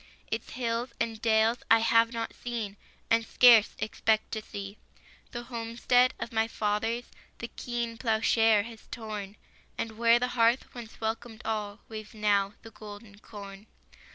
Its hills and dales I have not seen, And scarce expect to see. The homestead of my fathers The keen ploughshare has torn, And where the hearth once welcomed all Waves now the golden corn.